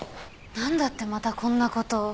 なんだってまたこんな事を？